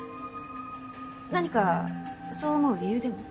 何かそう思う理由でも？